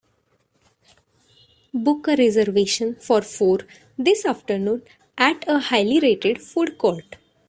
Book a reservation for four this Afternoon at a highly rated food court